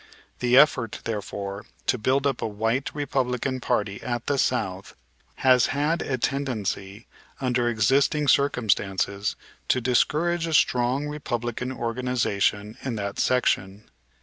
The effort, therefore, to build up a "white" Republican party at the South has had a tendency, under existing circumstances, to discourage a strong Republican organization in that section.